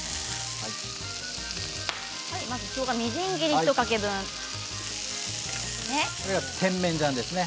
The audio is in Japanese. しょうがのみじん切り１かけ分ですね。